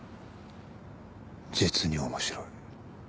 実に面白い。